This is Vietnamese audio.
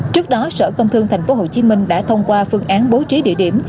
trước đó sở công thương tp hcm đã thông qua phương án bố trí địa điểm